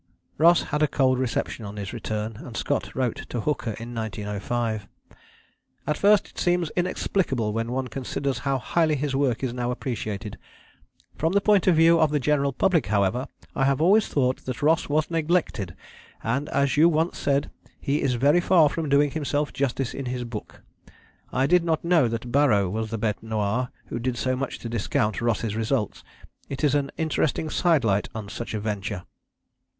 Ross had a cold reception on his return, and Scott wrote to Hooker in 1905: "At first it seems inexplicable when one considers how highly his work is now appreciated. From the point of view of the general public, however, I have always thought that Ross was neglected, and as you once said he is very far from doing himself justice in his book. I did not know that Barrow was the bête noire who did so much to discount Ross's results. It is an interesting sidelight on such a venture."